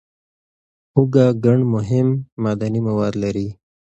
هوږه ګڼ مهم معدني مواد لري.